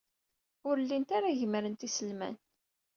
Ur llint ara gemmrent iselman.